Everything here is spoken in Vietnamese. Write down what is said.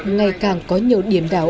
ngày càng có nhiều điểm đảo